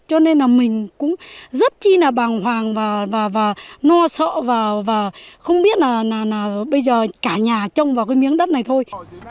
cho nên là mình cũng rất chi là bàng hoàng và no sợ vào và không biết là bây giờ cả nhà trông vào cái miếng đất này thôi